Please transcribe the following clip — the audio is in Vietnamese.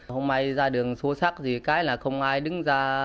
hôm nay ra đường xô sắc gì cái là không ai đứng ra